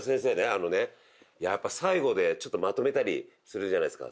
あのねやっぱ最後でまとめたりするじゃないですか。